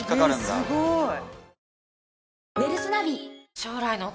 すごい。